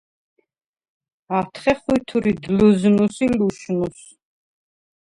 ათხე ხვითვრიდ ლჷზნუს ი ლუშნუს.